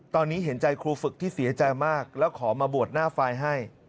ตอนนี้เห็นใจครูฝึกที่เสียใจมากแล้วขอมาบวชหน้าไฟล์ให้